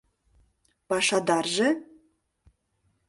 Пашадарже?